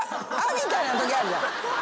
みたいなときあるじゃん。